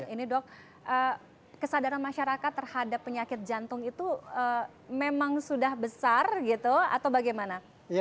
ini dok kesadaran masyarakat terhadap penyakit jantung itu memang sudah besar gitu atau bagaimana